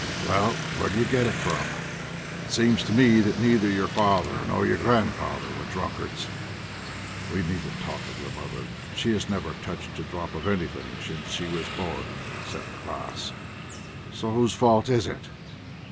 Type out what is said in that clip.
"Well, where do you get it from? It seems to me that neither your father nor your grandfather were drunkards. We needn't talk of your mother; she has never touched a drop of anything since she was born, except 'kvass.' So whose fault is it?